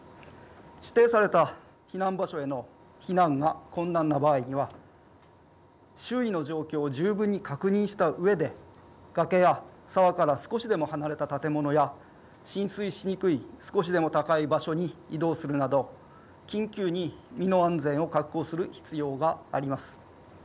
指定された避難場所への避難が困難な場合には周囲の状況を十分に確認したうえで崖や沢から少しでも離れた建物や浸水しにくい少しでも高い場所に移動するなど緊急に身の安全を確保する必要があります。